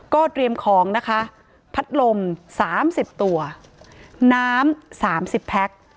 ก็เตรียมของนะคะพัดลม๓๐ตัวน้ำสามสิบแพ็ค